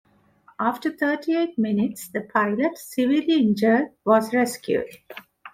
After thirty eight minutes, the pilot, severely injured, was rescued.